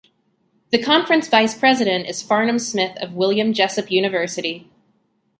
The conference vice president is Farnum Smith of William Jessup University.